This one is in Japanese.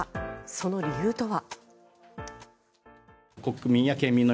その理由とは。